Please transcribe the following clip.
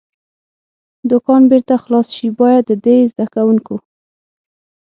دوکان بېرته خلاص شي، باید د دې زده کوونکو.